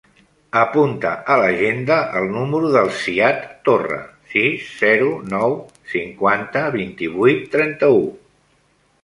Apunta a l'agenda el número del Ziad Torre: sis, zero, nou, cinquanta, vint-i-vuit, trenta-u.